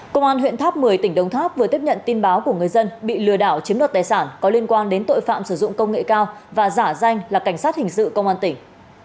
công an huyện tháp một mươi tỉnh đồng tháp vừa tiếp nhận tin báo của người dân bị lừa đảo chiếm đoạt tài sản có liên quan đến tội phạm sử dụng công nghệ cao và giả danh là cảnh sát hình sự công an tỉnh